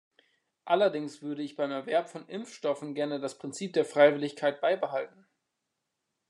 Allerdings würde ich beim Erwerb von Impfstoffen gerne das Prinzip der Freiwilligkeit beibehalten.